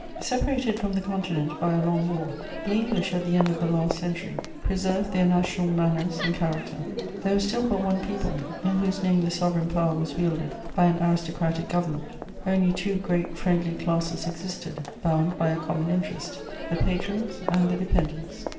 * Separated from the Continent by a long war, the English at the end of the last century preserved their national manners and character. There was still but one people, in whose name the sovereign power was wielded by an aristocratic government; only two great friendly classes existed, bound by a common interest: the patrons and the dependents.